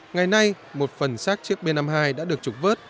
ngày nay một phần sát chiếc b năm mươi hai đã được trục vớt